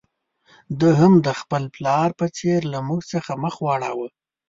ده هم د خپل پلار په څېر له موږ څخه مخ واړاوه.